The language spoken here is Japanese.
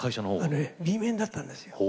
Ｂ面だったんですよ。